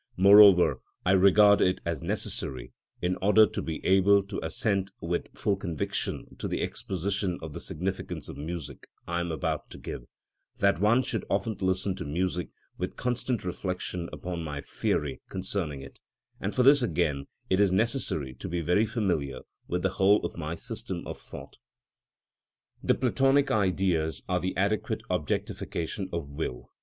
Moreover, I regard it as necessary, in order to be able to assent with full conviction to the exposition of the significance of music I am about to give, that one should often listen to music with constant reflection upon my theory concerning it, and for this again it is necessary to be very familiar with the whole of my system of thought. The (Platonic) Ideas are the adequate objectification of will.